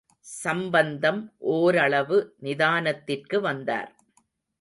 சம்பந்தம், ஓரளவு நிதானத்திற்கு வந்தார்.